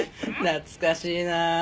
懐かしいな。